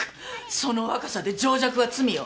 その若さで情弱は罪よ。